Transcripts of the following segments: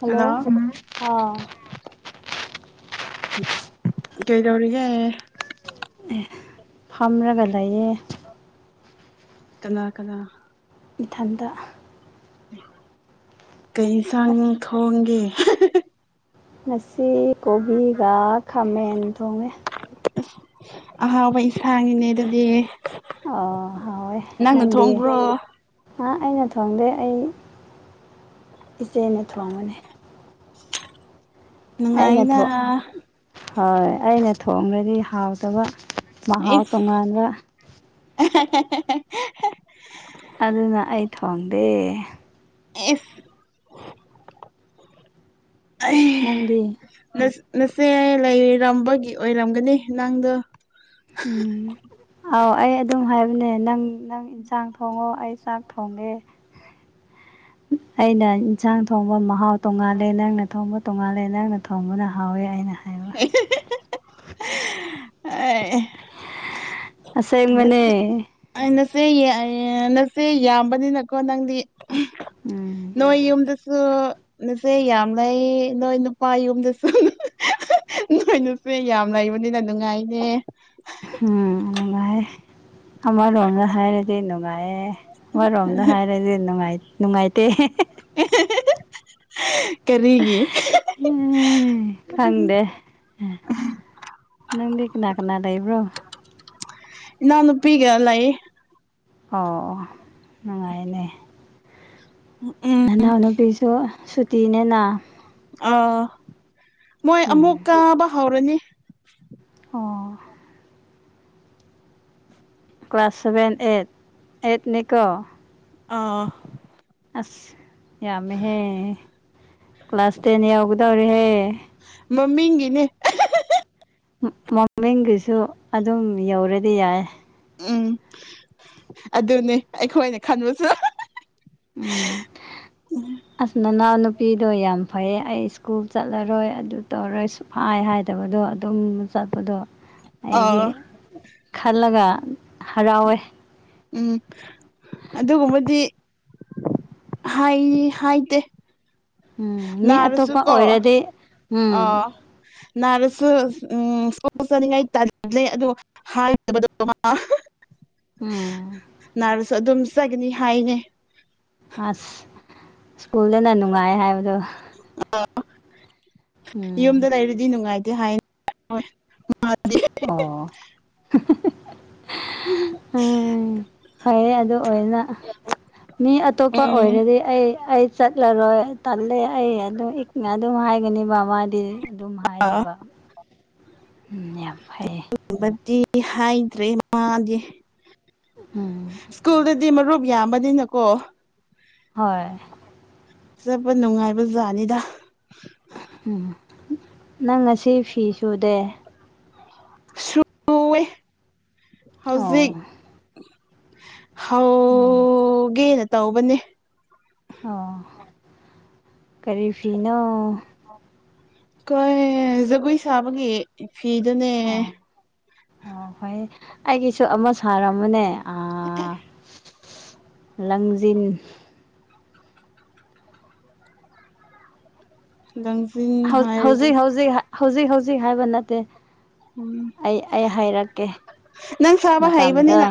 Hello hello ꯍꯝ ꯑꯥ ꯀꯩꯗꯧꯔꯤꯒꯦ ꯐꯝꯔꯒꯥ ꯂꯩꯌꯦ ꯀꯥꯅꯥ ꯀꯥꯅꯥ ꯏꯊꯟꯗ ꯀꯩ ꯏꯟꯁꯥꯡ ꯊꯣꯡꯒꯦ ꯉꯁꯤ ꯀꯣꯕꯤꯒ ꯈꯥꯃꯦꯟ ꯊꯣꯡꯉꯦ ꯑꯁ ꯑꯍꯥꯎꯕ ꯏꯟꯁꯥꯡꯅꯤꯅꯦ ꯑꯗꯨꯗꯤ ꯑꯥ ꯅꯪꯅ ꯅꯪꯗꯤ ꯊꯣꯡꯕ꯭ꯔꯣ ꯍꯥ ꯑꯩꯅ ꯊꯣꯡꯗꯦ ꯑꯩ ꯏꯆꯦꯅ ꯊꯣꯡꯕꯅꯦ [inaudible] ꯑꯩꯅ ꯊꯣ ꯍꯣꯏ ꯑꯩꯅ ꯊꯣꯡꯔꯗꯤ ꯍꯥꯎꯇꯕ ꯃꯍꯥꯎ ꯑꯩꯁ ꯇꯣꯉꯥꯟꯕ [unintelligible] ꯑꯗꯨꯅ ꯑꯩ ꯊꯣꯡꯗꯦ ꯅꯪꯗꯤ [unintelligible] ꯅꯆꯦ ꯂꯩꯔꯝꯕꯒꯤ ꯑꯣꯏꯔꯝꯒꯅꯤ ꯅꯪꯗꯣ ꯎꯝ ꯑꯥꯎ ꯑꯩ ꯑꯗꯨꯝ ꯍꯥꯏꯕꯅꯦ ꯅꯪ ꯅꯪ ꯏꯟꯖꯥꯡ ꯊꯣꯡꯉꯣ ꯑꯩ ꯆꯥꯛ ꯊꯣꯡꯒꯦ [inaudible] ꯑꯩꯅ ꯏꯟꯁꯥꯡ ꯊꯣꯡꯕ ꯃꯍꯥꯎ ꯇꯣꯡꯉꯥꯜꯂꯦ ꯅꯪꯅ ꯊꯣꯡꯕ ꯇꯣꯡꯉꯥꯜꯂꯦ ꯅꯪꯅ ꯊꯣꯡꯕꯅ ꯍꯥꯎꯋꯦ ꯑꯩꯅ ꯍꯥꯏꯕ [unintelligible] ꯑꯁꯦꯡꯕꯅꯦ ꯑ ꯅꯆꯦ ꯌꯌꯦ ꯅꯆꯦ ꯌꯥꯝꯕꯅꯤꯅꯀꯣ ꯅꯪꯗꯤ ꯎꯝ [unintelligible] ꯅꯣꯏ ꯌꯨꯝꯗ ꯁꯨ ꯅꯆꯦ ꯌꯥꯝꯂꯛꯏ ꯅꯣꯏ ꯅꯨꯄꯥ ꯌꯨꯝꯗꯁꯨ [unintelligible] ꯅꯣꯏ ꯅꯨꯄꯤ ꯌꯥꯝ ꯂꯩꯕꯅꯤꯅ ꯅꯨꯡꯉꯥꯏꯅꯦ ꯍꯨꯝ ꯅꯨꯡꯉꯥꯏꯌꯦ ꯑꯃꯔꯣꯝꯗ ꯍꯥꯏꯔꯗꯤ ꯅꯨꯡꯉꯥꯏꯌꯦ ꯑꯃꯔꯣꯝꯗ ꯍꯥꯏꯔ ꯔꯤ ꯅꯨꯡꯉꯥꯏ ꯅꯨꯡꯉꯥꯏꯇꯦ [unintelligible] [unintelligible] ꯑꯦ [unintelligible] ꯎꯝ ꯈꯪꯗꯦ ꯅꯪꯗꯤ ꯀꯅꯥ ꯀꯅꯥ ꯂꯩꯕ꯭ꯔꯣ ꯏꯅꯥꯎ ꯅꯨꯄꯤꯒ ꯂꯩ ꯑꯣ ꯑꯣ ꯅꯨꯡꯉꯥꯏꯌꯦꯅꯦ ꯎꯝ ꯎꯝ ꯅꯅꯥꯎꯅꯨꯄꯤꯁꯨ ꯁꯨꯇꯤꯅꯦꯅ ꯑꯥꯎ ꯃꯣꯏ ꯎꯝ ꯑꯃꯨꯛ ꯀꯥꯕ ꯍꯧꯔꯅꯤ ꯑꯣ ꯀ꯭ꯂꯥꯁ ꯁꯚꯦꯟ ꯑꯩꯠ ꯑꯩꯠꯅꯤꯀꯣ ꯑꯥ ꯑꯁ ꯌꯥꯝꯃꯦꯍꯦ ꯀ꯭ꯂꯥꯁ ꯇꯦꯟ ꯌꯧꯒꯗꯧꯔꯦꯍꯦ ꯃꯃꯤꯡꯒꯤꯅꯦ ꯃ ꯃꯃꯤꯡꯒꯤꯁꯨ ꯑꯗꯨꯝ ꯌꯧꯔꯗꯤ ꯌꯥꯏ ꯎꯝ ꯑꯗꯨꯅꯦ ꯑꯩꯈꯣꯏꯅ ꯈꯟꯕꯁꯨ [unintelligible] ꯎꯝ [unintelligible] ꯑꯁ ꯅꯅꯥꯎꯅꯨꯄꯤꯗꯣ ꯌꯥꯝ ꯐꯩꯌꯦ ꯑꯩ ꯁ꯭ꯀꯨꯜ ꯆꯠꯂꯔꯣꯏ ꯑꯗꯨ ꯇꯧꯔꯣꯏ ꯁꯨꯞ ꯍꯥꯏ ꯍꯥꯏꯗꯕꯗꯣ ꯑꯗꯨꯝ ꯆꯠꯄꯗꯣ ꯑꯩꯗꯤ ꯑꯥ ꯈꯜꯂꯒ ꯍꯔꯥꯎꯋꯦ ꯎꯝ ꯑꯗꯨꯒꯨꯝꯕꯗꯤ ꯍꯥꯏ ꯍꯥꯏꯗꯦ ꯎꯝ ꯃꯤ ꯅꯥꯔꯁꯨ ꯑꯇꯣꯞꯄ ꯀꯣ ꯑꯣꯏꯔꯗꯤ ꯑ ꯎꯝ ꯅꯥꯔꯁꯨ ꯎꯝ ꯁ꯭ꯀꯨꯜ ꯆꯅꯤꯡꯉꯥꯏ ꯇꯜꯂꯦ ꯑꯗꯣ ꯍꯥꯏꯗꯕꯗꯣ ꯎꯝ [unintelligible] ꯅꯥꯔꯁꯨ ꯑꯗꯨꯝ ꯆꯠꯆꯒꯅꯤ ꯍꯥꯏꯅꯦ ꯑꯁ ꯁ꯭ꯀꯨꯜꯗꯅ ꯅꯨꯡꯉꯥꯏ ꯍꯥꯏꯕꯗꯣ ꯑꯥ ꯌꯨꯝꯗ ꯎꯝ ꯂꯩꯔꯗꯤ ꯅꯨꯡꯉꯥꯏꯇꯦ ꯍꯥꯏꯌꯦ ꯍꯣꯏ ꯑꯣ [unintelligible] [unintelligible] ꯎꯝ ꯐꯔꯦ ꯑꯗꯨ ꯑꯣꯏꯅ ꯃꯤ ꯑꯇꯣꯞꯄ ꯎꯝ ꯑꯣꯏꯔꯗꯤ ꯑꯩ ꯑꯩ ꯆꯠꯂꯔꯣꯏ ꯇꯜꯂꯦ ꯑꯩ ꯑꯗꯨꯝ ꯏꯛꯅ ꯑꯗꯨꯝ ꯍꯥꯏꯒꯅꯤꯕ ꯃꯥꯗꯤ ꯑꯗꯨꯝ ꯑꯥ ꯍꯥꯏꯗꯦꯕ [unintelligible] ꯕꯥꯝ ꯐꯩꯌꯦ [unintelligible] ꯕꯗꯤ ꯍꯥꯏꯗ꯭ꯔꯦ ꯃꯥꯗꯤ ꯎꯝ ꯁ꯭ꯀꯨꯜꯗꯗꯤ ꯃꯔꯨꯞ ꯌꯥꯝꯕꯅꯤꯅꯀꯣ ꯍꯣꯏ ꯆꯠꯄ ꯅꯨꯡꯉꯥꯏꯕ ꯖꯥꯠꯅꯤꯗ ꯎꯝ ꯅꯪ ꯉꯁꯤ ꯐꯤ ꯁꯨꯗꯦ ꯁꯨꯌꯦ ꯍꯧꯖꯤꯛ ꯑꯣ ꯍꯧ ꯎꯝ ꯒꯦꯅ ꯇꯧꯕꯅꯦ ꯑꯣ ꯀꯔꯤ ꯐꯤꯅꯣ ꯀꯣꯏ ꯖꯒꯣꯏ ꯁꯥꯕꯒꯤ ꯐꯤꯗꯨꯅꯦ ꯑꯣ ꯑꯣ ꯍꯣꯏ ꯑꯩꯒꯤꯁꯨ ꯑꯃ ꯁꯥꯔꯝꯃꯅꯦ [inaudible] ꯂꯪꯖꯤꯟ ꯂꯪꯖꯤꯡ ꯍꯧ ꯍꯧꯖꯤꯛ ꯍꯧꯖꯤꯛ ꯍꯧꯖꯤꯛ ꯍꯧꯖꯤꯛ ꯍꯥꯏꯕ ꯅꯠꯇꯦ ꯎꯝ ꯑꯩ ꯑꯩ ꯍꯥꯏꯔꯛꯀꯦ ꯅꯪ ꯁꯕ ꯃꯇꯝꯗꯣ ꯍꯩꯕꯅꯤꯅ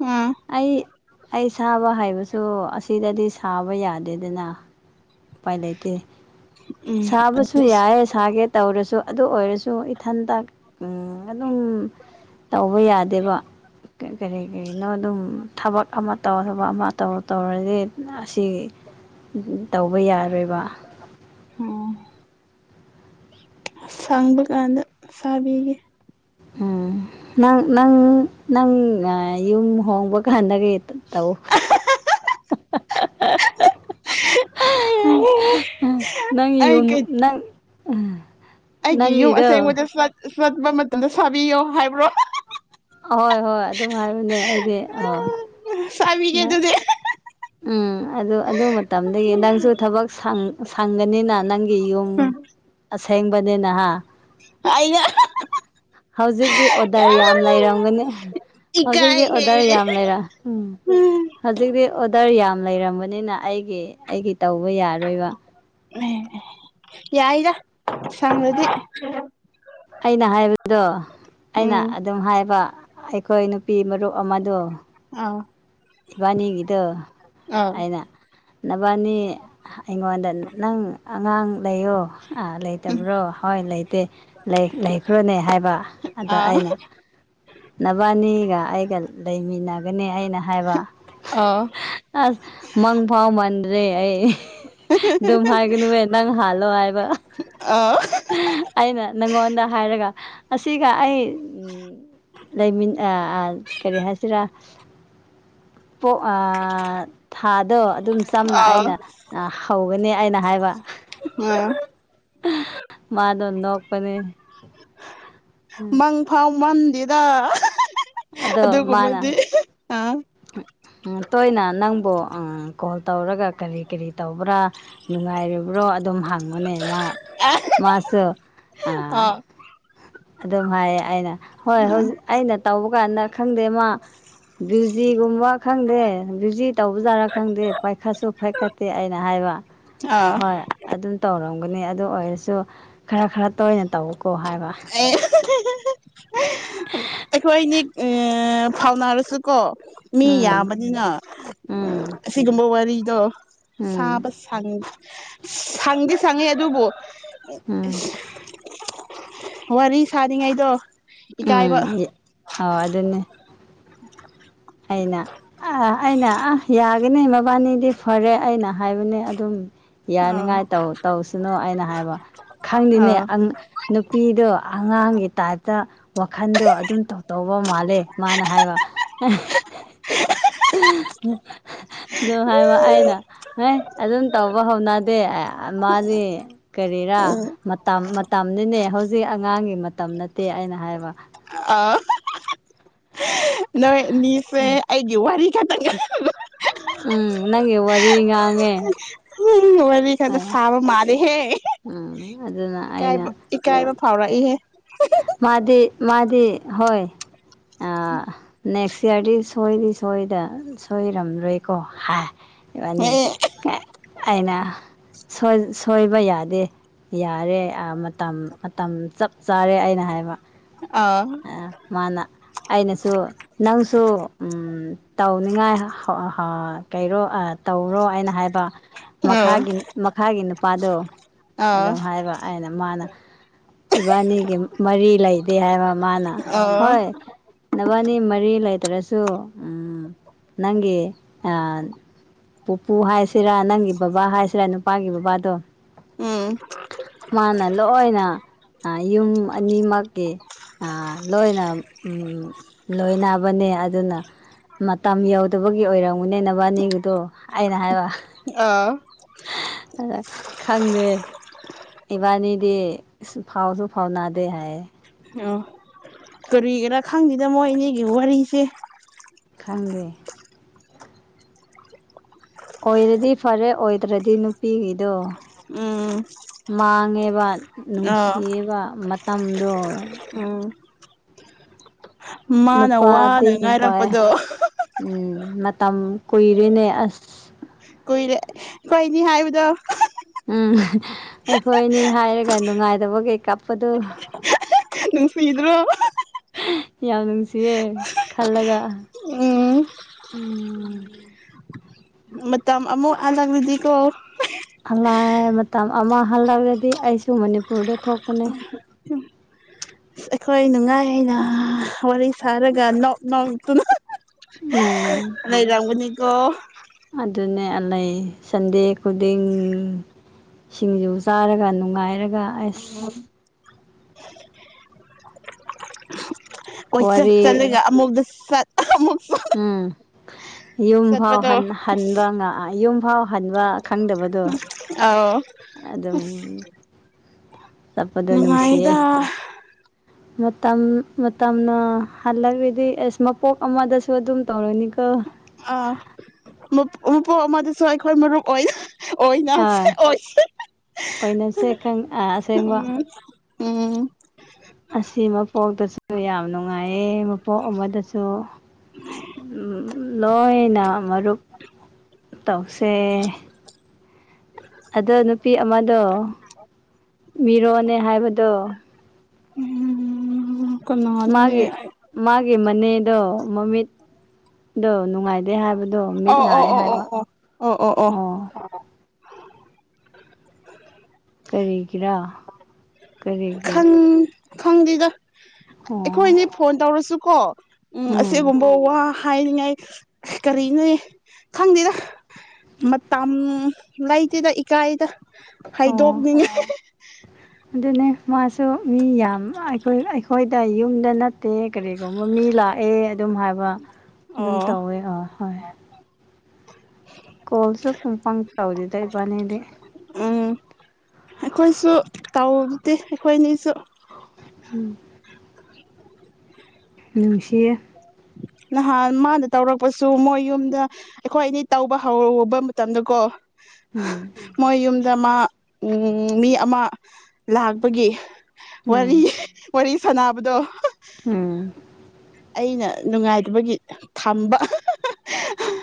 ꯎꯝ ꯑꯩ ꯑꯩ ꯁꯥꯕ ꯍꯥꯏꯕꯁꯨ ꯑꯁꯤꯗꯗꯤ ꯁꯥꯕ ꯌꯥꯗꯦꯗꯅ ꯎꯄꯥꯏ ꯂꯩꯇꯦ ꯎꯝ ꯁꯥꯕꯁꯨ ꯌꯥꯏ ꯁꯥꯒꯦ ꯇꯧꯔꯁꯨ ꯑꯗꯨ ꯑꯣꯏꯔꯁꯨ ꯏꯊꯟꯇ ꯎꯝ ꯑꯗꯨꯝ ꯇꯧꯕ ꯌꯥꯗꯦꯕ ꯀꯔꯤ ꯀꯔꯤꯅꯣ ꯑꯗꯨꯝ ꯊꯕꯛ ꯑꯃ ꯇꯧꯔꯕ ꯑꯃ ꯇꯧ ꯇꯧꯔꯗꯤ ꯑꯁꯤ ꯇꯧꯕ ꯌꯥꯔꯣꯏꯕ ꯎꯝ ꯑ ꯁꯪꯕ ꯀꯥꯟꯗ ꯁꯥꯕꯤꯒꯦ ꯎꯝ ꯅꯪ ꯅꯪ ꯅꯪꯅ ꯌꯨꯝ ꯍꯣꯡꯕ ꯀꯥꯟꯗꯒꯤ ꯇꯧ ꯅꯪꯒꯤ ꯑꯩ ꯌꯨꯝ ꯀꯩ ꯅꯪ ꯑꯩꯒꯤ ꯌꯨꯝ ꯅꯪꯒꯤꯗꯣ ꯑꯁꯦꯡꯕꯗ ꯆꯠ ꯆꯠꯄ ꯃꯇꯝꯗ ꯁꯥꯕꯤꯌꯣ ꯍꯥꯏꯕ꯭ꯔꯣ ꯑꯍꯣꯏ ꯍꯣꯏ ꯑꯗꯨꯝ ꯍꯥꯏꯕꯅꯦ ꯑꯩꯗꯤ ꯑ ꯁꯕꯤꯒꯦ ꯑꯗꯨꯗꯤ ꯎꯝ ꯑꯗꯨ ꯑꯗꯨ ꯃꯇꯝꯗꯒꯤ ꯅꯪꯁꯨ ꯊꯕꯛ ꯁꯪꯒꯅꯤꯅ ꯅꯪꯒꯤ ꯌꯨꯝ ꯑꯁꯦꯡꯕꯅꯤꯅ ꯍꯥ ꯑꯌꯥ ꯍꯧꯖꯤꯛꯇꯤ ꯑꯣꯗꯔ ꯌꯥꯝ ꯂꯩꯔꯝꯒꯅꯤ ꯍꯧꯖꯤꯛꯇꯤ ꯏꯀꯥꯏꯍꯦ ꯑꯣꯗꯔ ꯌꯥꯝ ꯂꯩꯔ ꯎꯝ ꯍꯧꯖꯤꯛꯇꯤ ꯑꯣꯗꯔ ꯌꯥꯝ ꯂꯩꯔꯝꯕꯅꯤꯅ ꯑꯩꯒꯤ ꯑꯩꯒꯤ ꯇꯧꯕ ꯌꯥꯔꯣꯏꯕ ꯌꯥꯏꯗ ꯁꯡꯔꯗꯤ ꯑꯩꯅ ꯍꯥꯏꯕꯗꯣ ꯑꯩꯅ ꯑꯗꯨꯝ ꯍꯥꯏꯕ ꯑꯩꯈꯣꯏ ꯅꯨꯄꯤ ꯃꯔꯨꯞ ꯑꯃꯗꯣ ꯑꯎ ꯏꯕꯥꯅꯤꯒꯤꯗꯣ ꯑꯩꯅ ꯅꯕꯥꯅꯤ ꯑꯩꯉꯣꯟꯗ ꯅꯪ ꯑꯉꯥꯡ ꯂꯩꯌꯣ ꯑꯥ ꯂꯩꯇꯕ꯭ꯔꯣ ꯍꯣꯏ ꯂꯩꯇꯦ ꯂꯩꯈ꯭ꯔꯣꯅꯦ ꯍꯥꯏꯕ ꯑꯗ ꯑꯥ ꯑꯩꯅ ꯅꯕꯥꯅꯤꯒ ꯑꯩꯒ ꯂꯩꯃꯤꯟꯅꯒꯅꯤ ꯑꯩꯅ ꯍꯥꯏꯕ ꯑꯥ ꯑꯁ ꯃꯪꯐꯥꯎ ꯃꯥꯟꯗ꯭ꯔꯤ ꯑꯩ ꯑꯗꯨꯝ ꯍꯥꯏꯒꯅꯨꯍꯦ ꯅꯪ ꯍꯥꯟꯂꯣ ꯍꯥꯏꯕ [inaudible] ꯑꯩꯅ ꯅꯪꯉꯣꯟꯗ ꯍꯥꯏꯔꯒ ꯑꯁꯤꯒ ꯑꯩ ꯂꯩꯃꯤꯟ ꯑꯥ ꯑꯥ ꯀꯔꯤ ꯍꯥꯏꯁꯤꯔꯥ ꯄꯣꯛ ꯑꯥ ꯊꯥꯗꯣ ꯑꯗꯨꯝ ꯆꯝꯅ ꯑꯥ ꯑꯩꯅ ꯑ ꯍꯧꯒꯅꯤ ꯑꯩꯅ ꯍꯥꯏꯕ [inaudible] ꯃꯥꯗꯣ ꯅꯣꯛꯄꯅꯦ ꯎꯝ ꯃꯪꯐꯥꯎ ꯃꯟꯗꯦꯗ ꯑꯗꯣ ꯃꯥꯅ ꯑꯗꯨꯒꯨꯝꯕꯗꯤ ꯑꯥ ꯇꯣꯏꯅ ꯅꯪꯕꯨ ꯎꯝ ꯀꯣꯜ ꯇꯧꯔꯒ ꯀꯔꯤ ꯀꯔꯤ ꯇꯧꯕ꯭ꯔꯥ ꯅꯨꯡꯉꯥꯏꯔꯤꯕ꯭ꯔꯣ ꯑꯗꯨꯝ ꯍꯪꯕꯅꯦ ꯃꯥ ꯃꯥꯁꯨ ꯑ ꯑꯥ ꯑꯗꯨꯝ ꯍꯥꯏꯌꯦ ꯑꯩꯅ ꯍꯣꯏ ꯍꯧꯖꯤꯛ ꯑꯩꯅ ꯇꯧꯕ ꯀꯥꯟꯗ ꯈꯪꯗꯦ ꯃꯥ ꯕ꯭ꯌꯨ ꯖꯤ ꯒꯨꯝꯕ ꯈꯪꯗꯦ ꯕ꯭ꯌꯨꯖꯤ ꯇꯧꯕꯖꯥꯠꯂ ꯈꯪꯗꯦ ꯄꯥꯏꯈꯠꯁꯨ ꯄꯥꯏꯈꯠꯇꯦ ꯑꯩꯅ ꯍꯥꯏꯕ ꯑꯥ ꯍꯣꯏ ꯑꯗꯨꯝ ꯇꯧꯔꯝꯒꯅꯤ ꯑꯗꯨ ꯑꯣꯏꯔꯁꯨ ꯈꯔ ꯈꯔ ꯇꯣꯏꯅ ꯇꯧꯀꯣ ꯍꯥꯏꯕ [inaudible] ꯑꯩꯈꯣꯏꯅꯤ ꯑ ꯐꯥꯎꯅꯔꯁꯨ ꯀꯣ ꯃꯤ ꯎꯝ ꯌꯥꯝꯕꯅꯤꯅ ꯎꯝ ꯑꯁꯤꯒꯨꯝꯕ ꯋꯥꯔꯤꯗꯣ ꯎꯝ ꯁꯥꯕ ꯁꯪ ꯁꯪꯗꯤꯉꯦ ꯁꯪꯉꯦ ꯑꯗꯨꯕꯨ ꯎꯝ ꯋꯥꯔꯤ ꯁꯥꯔꯤꯉꯩꯗꯣ ꯏꯀꯥꯏꯕ ꯎꯝ ꯑꯥꯎ ꯑꯗꯨꯅꯦ ꯑꯩꯅ ꯑ ꯑꯩꯅ ꯑ ꯌꯥꯒꯅꯤ ꯃꯕꯥꯟꯅꯤꯗꯤ ꯐꯔꯦ ꯑꯩꯅ ꯍꯥꯏꯕꯅꯦ ꯑꯗꯨꯝ ꯑꯥ ꯌꯥꯅꯤꯉꯥꯏ ꯇꯧ ꯇꯧꯁꯥꯅꯨ ꯑꯩꯅ ꯍꯥꯏꯕ ꯈꯪꯅꯤꯅꯦ ꯑꯥ ꯅꯨꯄꯤꯗꯣ ꯑꯉꯥꯡꯒꯤ ꯇꯥꯏꯞꯇ ꯋꯥꯈꯟꯗꯣ ꯑꯗꯨꯝ ꯇꯧ ꯇꯧꯕ ꯃꯥꯜꯂꯦ ꯃꯥꯅ ꯍꯥꯏꯕ [inaudible] ꯑꯗꯨ ꯍꯥꯏꯕ ꯑꯩꯅ ꯍꯦ ꯑꯗꯨꯝ ꯇꯧꯕ ꯍꯧꯅꯗꯦ ꯃꯥꯗꯤ ꯀꯔꯤꯔꯥ ꯃꯇꯝ ꯃꯥꯇꯝꯅꯅꯦ ꯍꯧꯖꯤꯛ ꯑꯉꯥꯡꯒꯤ ꯃꯇꯝ ꯅꯠꯇꯦ ꯑꯩꯅ ꯍꯥꯏꯕ ꯑ ꯅꯣꯏ ꯑꯅꯤꯁꯦ ꯑꯩ ꯑꯩꯒꯤ ꯋꯥꯔꯤ ꯈꯛꯇꯪ ꯎꯝ ꯅꯪꯒꯤ ꯋꯥꯔꯤ ꯉꯥꯡꯉꯦ [inaudible] ꯎꯝ ꯋꯥꯔꯤ ꯈꯥꯛꯇꯥ ꯍꯥꯏꯅ ꯁꯥꯕ ꯃꯥꯂꯦꯍꯦ ꯎꯝ ꯑꯗꯨꯅ ꯏꯀꯥꯏꯕꯥ ꯑꯩꯅ ꯏꯀꯥꯏꯕ ꯐꯥꯎꯔꯛꯏꯍꯦ ꯃꯥꯗꯤ ꯃꯥꯗꯤ ꯍꯣꯏ ꯑ ꯅꯦꯛꯁ ꯏꯌ꯭ꯔꯒꯤ ꯁꯣꯏꯗꯤ ꯁꯣꯏꯗ ꯁꯣꯏꯔꯝꯔꯦꯀꯣ ꯍꯥ ꯏꯕꯥꯟꯅꯤ ꯑꯩꯅ ꯁꯣꯏ ꯁꯣꯏꯕ ꯌꯥꯗꯦ ꯌꯥꯔꯦ ꯃꯇꯝ ꯃꯇꯝ ꯆꯞ ꯆꯥꯔꯦ ꯑꯩꯅ ꯍꯥꯏꯕ ꯑ ꯃꯥꯅ ꯑꯩꯅꯁꯨ ꯅꯪꯁꯨ ꯎꯝ ꯇꯧꯅꯤꯡꯉꯥꯏ ꯍ ꯍꯥ ꯀꯩꯔꯣ ꯑꯥ ꯇꯧꯔꯣ ꯑꯩꯅ ꯍꯥꯏꯕ ꯑꯥ ꯃꯈꯥꯒꯤ ꯃꯈꯥꯒꯤ ꯅꯨꯄꯥꯗꯣ ꯑꯥ ꯑꯗ ꯍꯥꯏꯕ ꯑꯩꯅ ꯃꯥꯅ ꯏꯕꯥꯅꯤꯒꯤ ꯃꯔꯤ ꯂꯩꯗꯦ ꯍꯥꯏꯕ ꯑꯅ ꯑꯥ ꯍꯣꯏ ꯅꯕꯥꯅꯤ ꯃꯔꯤ ꯂꯩꯇ꯭ꯔꯁꯨ ꯎꯝ ꯅꯪꯒꯤ ꯑ ꯄꯨꯄꯨ ꯍꯥꯏꯁꯤꯔꯥ ꯅꯪꯒꯤ ꯕꯕꯥ ꯍꯥꯏꯁꯤꯔꯥ ꯅꯨꯄꯥꯒꯤ ꯕꯕꯥꯗꯣ ꯎꯝ ꯃꯥꯅ ꯂꯣꯏꯅ ꯑ ꯌꯨꯝ ꯑꯅꯤꯃꯛꯀꯤ ꯑ ꯂꯣꯏꯅ ꯎꯝ ꯂꯣꯏꯅꯕꯅꯦ ꯑꯗꯨꯅ ꯃꯇꯝ ꯌꯧꯗꯕꯒꯤ ꯑꯣꯏꯔꯝꯒꯅꯦ ꯅꯕꯥꯅꯤꯒꯤꯗꯣ ꯑꯩꯅ ꯍꯥꯏꯕ ꯑꯥ ꯑ ꯈꯪꯗꯦ ꯏꯕꯥꯅꯤꯗꯤ ꯁꯨꯡꯐꯥꯎꯁꯨ ꯐꯥꯎꯅꯥꯗꯦ ꯍꯥꯏꯌꯦ ꯑꯣ ꯀꯔꯤꯒꯤꯔꯥ ꯈꯪꯗꯦꯗ ꯃꯣꯏꯅꯤꯒꯤ ꯋꯥꯔꯤꯁꯦ ꯈꯪꯗꯦ ꯑꯣꯏꯔꯗꯤ ꯐꯔꯦ ꯑꯣꯏꯗ꯭ꯔꯗꯤ ꯅꯨꯄꯤꯒꯤꯗꯣ ꯎꯝ ꯃꯥꯡꯉꯦꯕ ꯑꯥ ꯅꯨꯡꯁꯤꯌꯦꯕ ꯃꯇꯝꯗꯣ ꯎꯝ ꯃꯥꯅ ꯅꯨꯄꯥꯗꯤ ꯋꯥꯅ ꯅꯨꯄꯥꯌꯦ ꯉꯥꯏꯔꯛꯄꯗꯣ ꯎꯝ ꯃꯇꯝ ꯀꯨꯏꯔꯤꯅꯦ ꯑꯁ ꯀꯨꯏꯔꯦ ꯈꯣꯏꯅꯤ ꯍꯥꯏꯕꯗꯣ ꯎꯝ ꯑꯩꯈꯣꯏ ꯑꯅꯤ ꯍꯥꯏꯔꯒ ꯅꯨꯡꯉꯥꯏꯗꯕꯒꯤ ꯀꯥꯞꯄꯗꯨ ꯅꯪꯡꯁꯤꯗ꯭ꯔꯣ ꯌꯥꯝ ꯅꯨꯡꯁꯤꯌꯦ ꯈꯜꯂꯒ ꯎꯝ ꯎꯝ ꯃꯇꯝ ꯑꯃꯨꯛ ꯑꯜꯂꯛꯂꯗꯤꯀꯣ ꯍꯂꯥꯏ ꯃꯇꯝ ꯑꯃ ꯍꯜꯂꯛꯂꯗꯤ ꯑꯩꯁꯨ ꯃꯅꯤꯄꯨꯔꯗ ꯊꯣꯛꯀꯅꯤ ꯑꯩꯈꯣꯏ ꯅꯨꯡꯉꯥꯏ ꯍꯥꯏꯅ ꯋꯥꯔꯤ ꯁꯥꯔꯒ ꯅꯣꯛ ꯅꯣꯛꯇꯨꯅ ꯎꯝ ꯂꯩꯔꯝꯒꯅꯤꯀꯣ ꯑꯗꯨꯅꯦ ꯑ ꯂꯩ ꯁꯟꯗꯦ ꯈꯨꯗꯤꯡ ꯁꯤꯡꯖꯨ ꯆꯥꯔꯒ ꯅꯨꯡꯉꯥꯏꯔꯒ ꯑꯁ ꯎꯝ ꯀꯣꯏ ꯆꯠ ꯋꯥꯔꯤ ꯆꯠꯂꯒ ꯑꯃꯨꯛꯗ ꯆꯠ ꯑꯃꯨꯛ ꯎꯝ ꯌꯨꯝ ꯐꯥꯎ ꯆꯠꯄꯗꯣ ꯍꯟ ꯍꯟꯕ ꯉ ꯌꯨꯝ ꯐꯥꯎ ꯍꯟꯕ ꯑꯧ ꯗꯨꯃꯥꯏ ꯆꯠꯄꯗꯣ ꯅꯨꯡꯁꯤꯌꯦ ꯅꯨꯡꯉꯥꯏꯗ ꯃꯇꯝ ꯃꯇꯝꯅ ꯍꯜꯂꯒꯗꯤ ꯑꯦꯁ ꯃꯄꯣꯛ ꯑꯃꯗꯁꯨ ꯑꯗꯨꯝ ꯇꯧꯔꯅꯤꯀꯣ ꯑꯥ ꯃꯄꯨ ꯃꯄꯣꯛ ꯑꯃꯗꯁꯨ ꯑꯩꯈꯣꯏ ꯃꯔꯨꯞ ꯑꯣꯏ ꯑꯣꯏꯅꯁꯦ ꯑꯥ ꯑꯣꯏꯁꯦ ꯑꯣꯏꯅꯁꯦ ꯈꯪ ꯎꯝ ꯑꯁꯦꯡꯕ ꯄꯤꯝ ꯑꯁꯤ ꯃꯄꯣꯛꯇꯁꯨ ꯌꯥꯝ ꯅꯨꯡꯉꯥꯏꯌꯦ ꯃꯄꯣꯛ ꯑꯃꯗꯁꯨ ꯎꯝ ꯂꯣꯏꯅ ꯃꯔꯨꯞ ꯇꯧꯁꯦ [unintelligible] ꯑꯗꯣ ꯅꯨꯄꯤ ꯑꯃꯗꯣ [unintelligible] ꯃꯤꯔꯣꯟꯅꯦ ꯍꯥꯏꯕꯗꯣ ꯎꯝ ꯀꯅꯥꯅꯣꯅꯦ ꯃꯥꯒꯤ ꯃꯥꯒꯤ ꯃꯅꯦꯗꯣ ꯃꯃꯤꯠꯗꯣ ꯅꯨꯡꯉꯥꯏꯇꯦ ꯍꯥꯏꯕ ꯗꯣ ꯃꯤꯠ ꯑꯣ ꯑꯣ ꯅꯥꯏ ꯑꯣ ꯍꯥꯏꯕ ꯑꯣ ꯑꯣ ꯑꯣ ꯑꯣ ꯀꯔꯤꯒꯤꯔ ꯈꯪ ꯈꯪꯗꯦꯗ ꯑꯣ ꯑꯩꯈꯣꯏꯅꯦ ꯐꯣꯟ ꯇꯧꯔꯁꯨꯀꯣ ꯎꯝ ꯑꯁꯤꯒꯨꯝꯕ ꯋꯥ ꯍꯥꯏꯅꯤꯡꯉꯥꯏ ꯑꯁ ꯀꯔꯤꯅꯣ ꯈꯪꯗꯦꯗ ꯃꯇꯝ ꯂꯩꯇꯦꯗ ꯏꯀꯥꯏꯗ ꯑꯣ ꯍꯥꯏꯗꯣꯛꯅꯤꯡꯉꯥꯏ ꯑꯗꯨꯅꯦ ꯃꯥꯁꯨ ꯃꯤ ꯌꯥꯝ ꯑꯩꯈꯣꯏ ꯑꯩꯈꯣꯏꯗ ꯌꯨꯝꯗ ꯅꯠ ꯇꯦ ꯀꯔꯤꯒꯨꯝꯕ ꯃꯤ ꯂꯥꯛꯑꯦ ꯑꯗꯨꯝ ꯍꯥꯏꯕ ꯑꯗꯨꯝ ꯑꯣ ꯇꯧꯋꯦ ꯑ ꯍꯣꯏ ꯀꯣꯜꯁꯨ ꯄꯥꯡ ꯄꯥꯡ ꯇꯧꯗꯦꯗ ꯏꯕꯥꯅꯤꯗꯤ ꯎꯝ ꯑꯩꯈꯣꯏꯁꯨ ꯇꯧꯗꯦ ꯑꯩꯈꯣꯏꯅꯤꯁꯨ ꯎꯝ ꯅꯨꯡꯁꯤꯌꯦ ꯅꯍꯥꯟ ꯃꯥꯅ ꯇꯧꯔꯛꯄꯁꯨ ꯃꯣꯏ ꯌꯨꯝꯗ ꯑꯩꯈꯣꯏ ꯑꯅꯤ ꯇꯧꯕ ꯍꯧꯕ ꯃꯇꯝꯗꯀꯣ ꯎꯝ ꯃꯣꯏ ꯌꯨꯝ ꯗꯃꯥ ꯎꯝ ꯃꯤ ꯑꯃ ꯂꯥꯛꯄꯒꯤ ꯋꯥꯔꯤ ꯎꯝ ꯋꯥꯔꯤ ꯁꯥꯟꯅꯕꯗꯣ ꯎꯝ ꯑꯩꯅ ꯅꯨꯡꯉꯥꯏꯇꯕꯒꯤ ꯊꯝꯕ꯫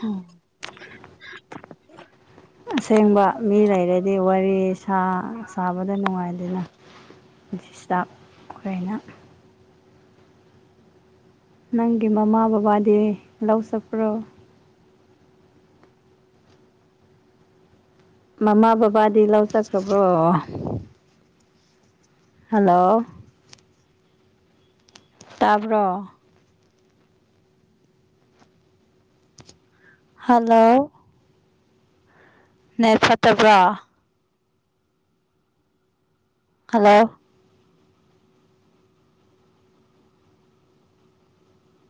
ꯑꯣꯝ ꯑꯁꯦꯡꯕ ꯃꯤ ꯂꯩꯔꯗꯤ ꯋꯥꯔꯤ ꯁꯥ ꯁꯥꯕꯗ ꯅꯨꯡꯉꯥꯏꯗꯦꯅ꯫ [unintelligible] ꯅꯪꯒꯤ ꯃꯃꯥ ꯕꯕꯥꯗꯤ ꯂꯧ ꯆꯠꯄ꯭ꯔꯣ? ꯃꯃꯥ ꯕꯥꯕꯥꯗꯤ ꯂꯧ ꯆꯠꯈꯕ꯭ꯔꯣ? ꯍꯜꯂꯣ ꯇꯥꯕ꯭ꯔꯣ ꯍꯜꯂꯣ ꯅꯦꯠ ꯐꯠꯇꯕ꯭ꯔꯣ ꯍꯜꯂꯣ